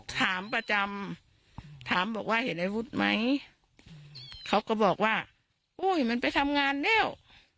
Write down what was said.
ถามประจำถามบอกว่าเห็นอาวุธไหมเขาก็บอกว่าอุ้ยมันไปทำงานแล้ว